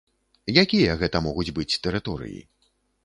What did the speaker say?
Якія гэта могуць быць тэрыторыі?